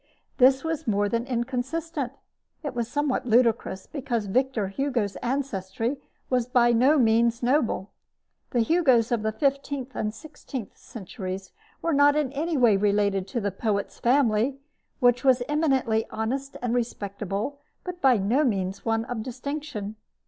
This was more than inconsistent. It was somewhat ludicrous; because Victor Hugo's ancestry was by no means noble. The Hugos of the fifteenth and sixteenth centuries were not in any way related to the poet's family, which was eminently honest and respectable, but by no means one of distinction.